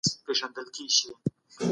شراب د خوښۍ لپاره څښل کیږي.